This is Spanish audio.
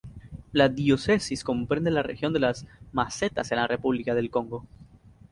La diócesis comprende la región de las Mesetas en la república de Congo.